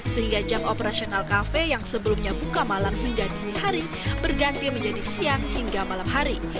sehingga jam operasional kafe yang sebelumnya buka malam hingga dini hari berganti menjadi siang hingga malam hari